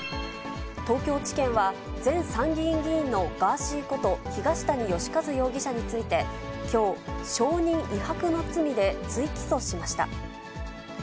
東京地検は、前参議院議員のガーシーこと、東谷義和容疑者について、きょう、証人威迫の罪で追起訴しました。